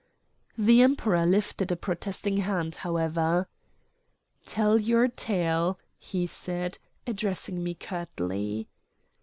The Emperor lifted a protesting hand, however. "Tell your tale," he said, addressing me curtly.